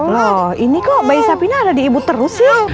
loh ini kok bayi sapinya ada di ibu terus yuk